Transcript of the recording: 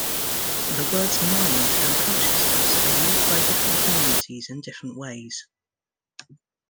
The words "mind" and "consciousness" are used by different communities in different ways.